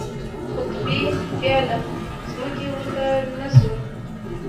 قبطي بیا له ځمکې پورته نه شو.